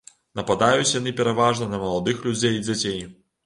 Нападаюць яны пераважна на маладых людзей і дзяцей.